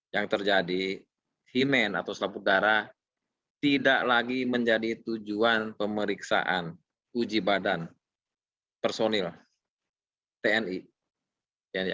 yang terjadi himen atau selapuk darah tidak lagi menjadi tujuan pemeriksaan uji badan personil tni